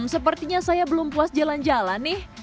sepertinya saya belum puas jalan jalan nih